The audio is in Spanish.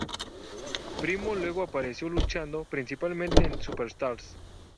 Primo luego apareció luchando principalmente en Superstars.